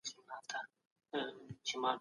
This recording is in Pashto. د داستان زمانه په پام کې ونیسه.